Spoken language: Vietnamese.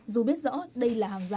dù biết rõ đây là hàng giả